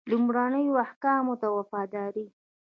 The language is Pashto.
لومړنیو احکامو ته وفاداري.